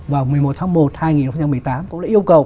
vào một mươi một tháng một hai nghìn một mươi tám cũng đã yêu cầu